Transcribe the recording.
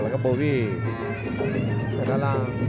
เราก็โบ๊วี่ฐานล่าง